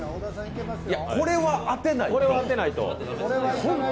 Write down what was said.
これは当てないと。